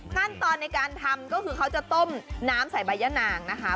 ขั้นตอนในการทำก็คือเขาจะต้มน้ำใส่ใบยะนางนะคะ